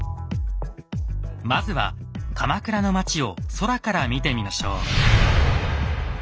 まずは鎌倉の町を空から見てみましょう。